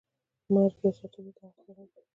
مرګ یاد ساتلو ته اړتیا لري